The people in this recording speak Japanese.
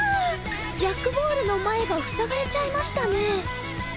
ジャックボールの前が塞がれちゃいましたねえ。